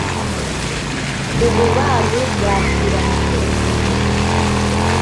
ububani bwakira mu cyotezo,